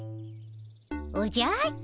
おじゃっと。